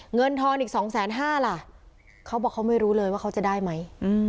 เงินทอนอีก๒๕๐๐ล่ะเขาบอกเขาไม่รู้เลยว่าเขาจะได้ไหม